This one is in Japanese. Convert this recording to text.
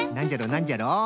なんじゃろ？